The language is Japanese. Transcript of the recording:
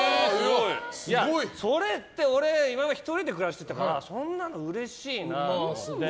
それって俺今まで１人で暮らしてたからそんなのうれしいなと思って。